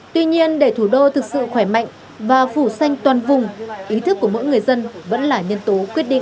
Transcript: tuy nhiên để thủ đô thực sự khỏe mạnh và phủ xanh toàn vùng ý thức của mỗi người dân vẫn là nhân tố quyết định